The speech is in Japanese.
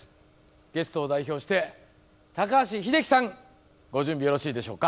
ゲストを代表して高橋英樹さんご準備よろしいでしょうか。